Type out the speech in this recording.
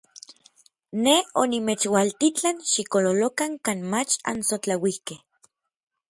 Nej onimechualtitlan xikololokan kan mach ansotlauikej.